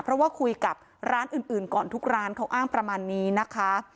เพราะว่าคุยกับร้านอื่นก่อนทุกร้านเขาอ้างประมาณนี้นะคะ